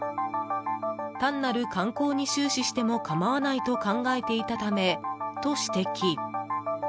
単なる観光に終始しても構わないと考えていたためと指摘。